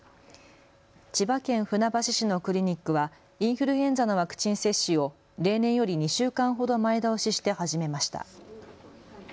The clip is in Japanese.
千葉県船橋市のクリニックはインフルエンザのワクチン接種を例年より２週間ほど前倒しして始めました。